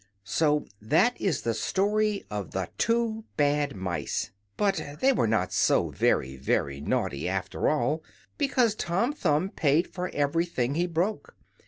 So that is the story of the two Bad Mice, but they were not so very very naughty after all, because Tom Thumb paid for everything he broke.